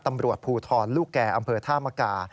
ตำรวจภูทรลูกแก่อำเภอธามกา